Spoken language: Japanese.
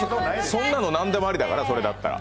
そんなのなんでもありだから、そんなんだったら。